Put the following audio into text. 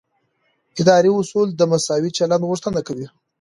اداري اصول د مساوي چلند غوښتنه کوي.